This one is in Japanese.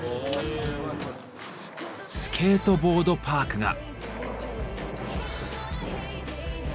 スケートボードパークが。